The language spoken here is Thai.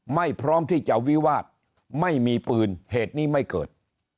พร้อมที่จะวิวาสไม่มีปืนเหตุนี้ไม่เกิด